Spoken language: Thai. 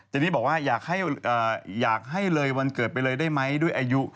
ทีนี้บอกว่าอยากให้เลยวันเกิดไปเลยได้ไหมด้วยอายุ